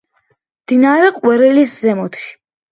მდინარე ყვირილის ზემოთში.